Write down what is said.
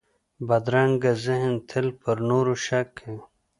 بدرنګه ذهن تل پر نورو شک کوي